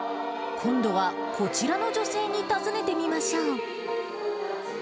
今度はこちらの女性に尋ねてみましょう。